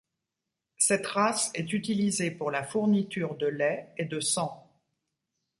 Cette race est utilisée pour la fourniture de lait et de sang.